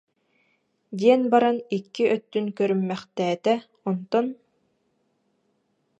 диэн баран икки өттүн көрүммэхтээтэ, онтон: